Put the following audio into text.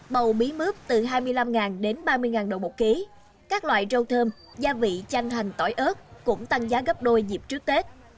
bầu bí mướp từ hai mươi năm đến ba mươi đồng một ký các loại rau thơm gia vị chanh hành tỏi ớt cũng tăng giá gấp đôi dịp trước tết